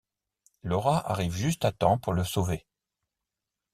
Laura arrive juste à temps pour le sauver.